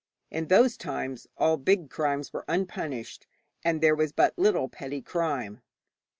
In those times all big crimes were unpunished, and there was but little petty crime.